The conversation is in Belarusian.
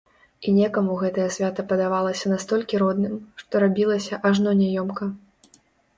І некаму гэтае свята падавалася настолькі родным, што рабілася ажно няёмка.